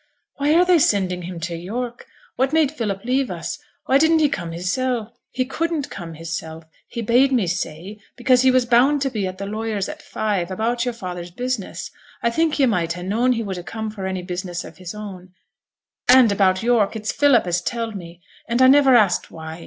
'Why are they sending him to York? What made Philip leave us? Why didn't he come hissel'?' 'He couldn't come hissel', he bade me say; because he was bound to be at the lawyer's at five, about yo'r father's business. I think yo' might ha' known he would ha' come for any business of his own; and, about York, it's Philip as telled me, and I never asked why.